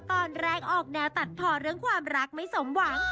ตอนแรกออกแนวตัดพอเรื่องความรักไม่สมหวัง